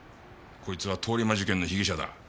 こいつは通り魔事件の被疑者だ。